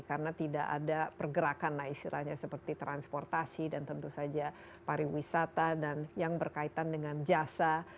karena tidak ada pergerakan istilahnya seperti transportasi dan tentu saja pariwisata dan yang berkaitan dengan jasa